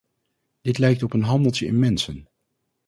Dit lijkt op een handeltje in mensen.